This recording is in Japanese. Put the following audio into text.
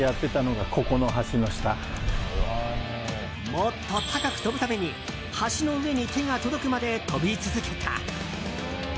もっと高く跳ぶために橋の上に手が届くまで跳び続けた。